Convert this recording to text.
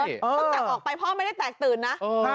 ตั้งแต่ออกไปพ่อไม่ได้แตกตื่นนะ